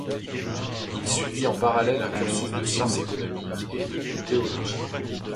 Il suivit en parallèle un cursus de sciences économiques et de théologie.